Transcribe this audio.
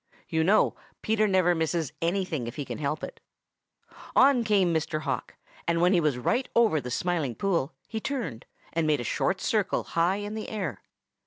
You know Peter never misses anything if he can help it. On came Mr. Hawk, and when he was right over the Smiling Pool, he turned and made a short circle high in the air.